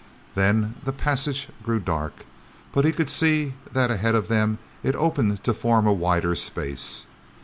Then the passage grew dark, but he could see that ahead of them it opened to form a wider space.